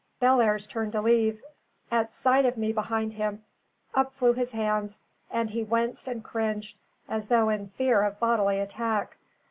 Bellairs turned to leave; at sight of me behind him, up flew his hands, and he winced and cringed, as though in fear of bodily attack.